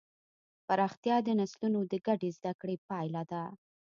پراختیا د نسلونو د ګډې زدهکړې پایله ده.